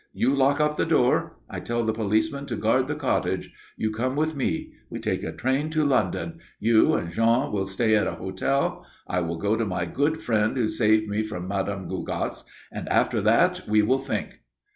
You lock up the door. I tell the policeman to guard the cottage. You come with me. We take a train to London. You and Jean will stay at a hotel. I will go to my good friend who saved me from Madam Gougasse. After that we will think."